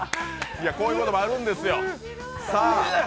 こういうこともあるんですよ。